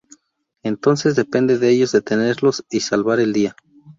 Entonces depende de ellos detenerlos y salvar el día.